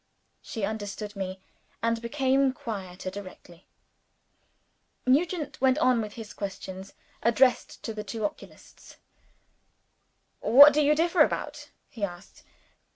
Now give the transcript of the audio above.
She understood me, and became quieter directly. Nugent went on with his questions, addressed to the two oculists. "What do you differ about?" he asked.